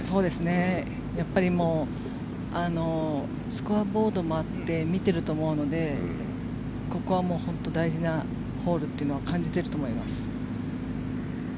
スコアボードもあって見ていると思うのでここはもう本当に大事なホールというのは感じていると思います。